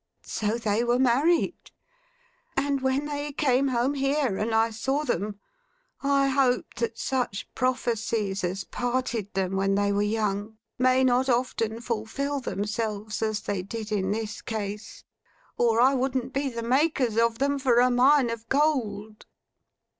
So they were married; and when they came home here, and I saw them, I hoped that such prophecies as parted them when they were young, may not often fulfil themselves as they did in this case, or I wouldn't be the makers of them for a Mine of Gold.